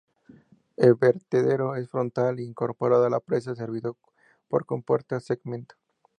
El vertedero es frontal e incorporado a la presa, servido por compuertas segmento.